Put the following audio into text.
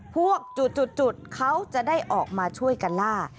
พวกจุดเขาจะได้ออกมาช่วยกันล่า